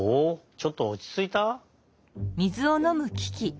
ちょっとはおちついた？